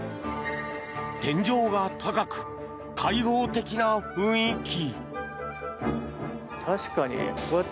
天井が高く開放的な雰囲気。